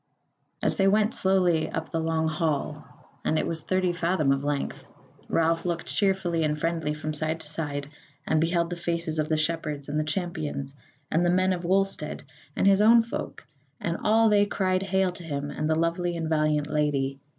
As they went slowly up the long hall (and it was thirty fathom of length) Ralph looked cheerfully and friendly from side to side, and beheld the faces of the Shepherds and the Champions, and the men of Wulstead, and his own folk; and all they cried hail to him and the lovely and valiant Lady.